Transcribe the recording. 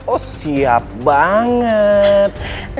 oh siap banget